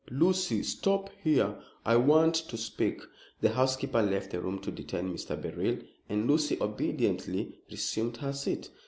Lucy, stop here, I want to speak." The housekeeper left the room to detain Mr. Beryl, and Lucy obediently resumed her seat.